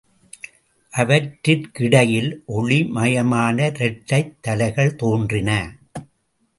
அவற்றிற்கிடையிலே ஒளி மயமான இரட்டைத் தலைகள் தோன்றின.